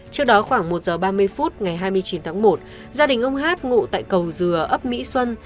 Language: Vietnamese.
trước đó khoảng một giờ ba mươi phút ngày hai mươi chín tháng một gia đình ông hát ngụ tại cầu dừa ấp mỹ xuân